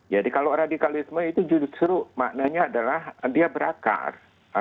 jadi kalau radikalisme itu judul seru maknanya adalah dia berakar